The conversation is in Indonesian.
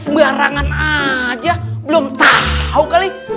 sembarangan aja belum tahu kali